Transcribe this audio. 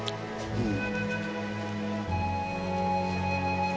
うん。